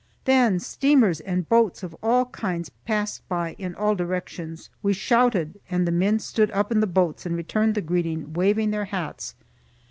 Then steamers and boats of all kinds passed by, in all directions. We shouted, and the men stood up in the boats and returned the greeting, waving their hats.